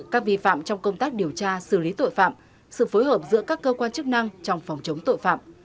các vi phạm trong công tác điều tra xử lý tội phạm sự phối hợp giữa các cơ quan chức năng trong phòng chống tội phạm